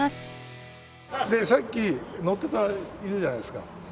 さっき乗ってたいるじゃないですか。